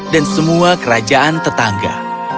dan semua kerajaan tetangga